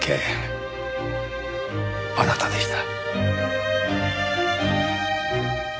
あなたでした。